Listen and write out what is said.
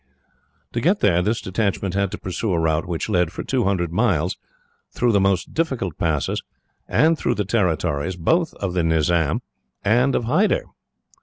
"To get there, this detachment had to pursue a route which led, for two hundred miles, through the most difficult passes, and through the territories both of the Nizam and Hyder.